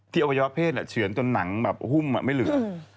อวัยวะเพศเฉือนจนหนังแบบหุ้มไม่เหลือ